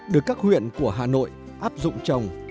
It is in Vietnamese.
được các huyện của hà nội áp dụng trồng